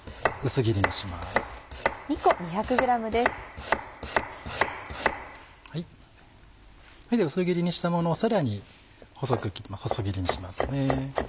薄切りにしたものをさらに細く切って細切りにしますね。